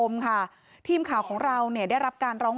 มีชายแปลกหน้า๓คนผ่านมาทำทีเป็นช่วยค่างทาง